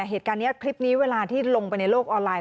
เหตุการณ์นี้คลิปนี้เวลาที่ลงไปในโลกออนไลน